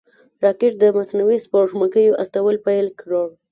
راکټ د مصنوعي سپوږمکیو استول پیل کړل